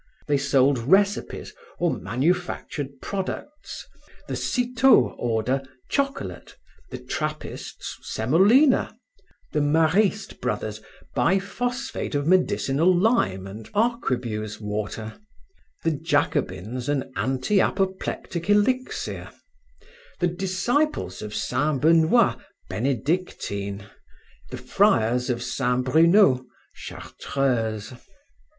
They sold recipes or manufactured products: the Citeaux order, chocolate; the trappists, semolina; the Maristes Brothers, biphosphate of medicinal lime and arquebuse water; the jacobins, an anti apoplectic elixir; the disciples of Saint Benoit, benedictine; the friars of Saint Bruno, chartreuse.